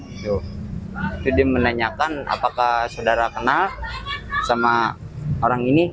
itu dia menanyakan apakah saudara kenal sama orang ini